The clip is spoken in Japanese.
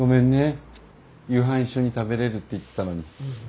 夕飯一緒に食べれるって言ってたのに。